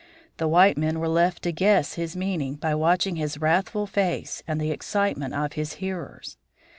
The white men were left to guess his meaning by watching his wrathful face and the excitement of his hearers.